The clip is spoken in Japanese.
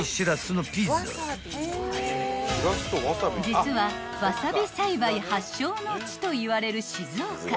［実はわさび栽培発祥の地といわれる静岡］